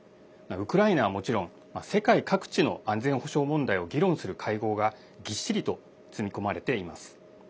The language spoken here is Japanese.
ウクライナはもちろん世界各地の安全保障問題を議論する会合がぎっしりと詰め込まれています。